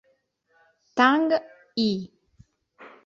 Tang Yi